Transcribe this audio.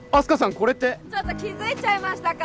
これってちょっと気づいちゃいましたか？